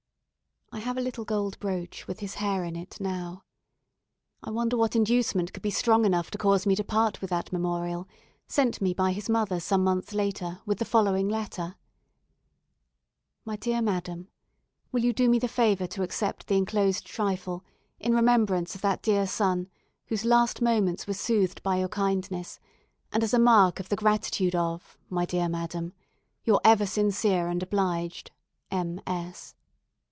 I have a little gold brooch with his hair in it now. I wonder what inducement could be strong enough to cause me to part with that memorial, sent me by his mother some months later, with the following letter: "My dear Madam, Will you do me the favour to accept the enclosed trifle, in remembrance of that dear son whose last moments were soothed by your kindness, and as a mark of the gratitude of, my dear Madam, "Your ever sincere and obliged, "M S